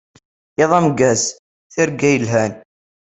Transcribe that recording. Iḍ ameggaz, tirga yelhan!